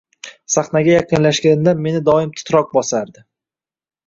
Sahna yaqinlashganda meni doim titroq bosardi.